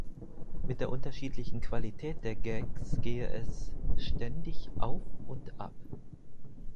Mit der unterschiedlichen Qualität der Gags gehe es „ständig auf und ab“.